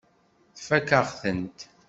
Tfakk-aɣ-tent.